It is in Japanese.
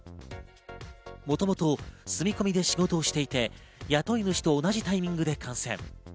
もともと住み込みで仕事をしていて、雇い主と同じタイミングで感染。